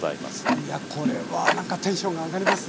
いやこれはなんかテンションが上がりますね。